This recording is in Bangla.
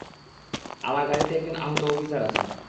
আমার গাড়িতে একজন আহত অফিসার আছেন!